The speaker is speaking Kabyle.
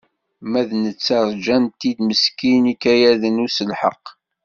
Ma d netta rjan-t-id meskin ikayaden uselḥeq.